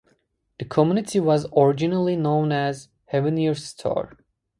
The community was originally known as Heveners Store.